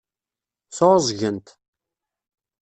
Sɛuẓẓgent.